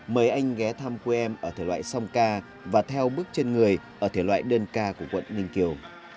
mời anh ghé thăm quê em ở thể loại song ca và theo bước chân người ở thể loại đơn ca của quận ninh kiều